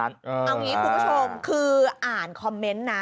เอางี้คุณผู้ชมคืออ่านคอมเมนต์นะ